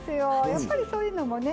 やっぱりそういうのもね